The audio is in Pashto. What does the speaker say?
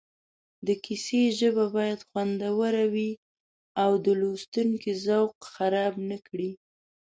د کیسې ژبه باید خوندوره وي او د لوستونکي ذوق خراب نه کړي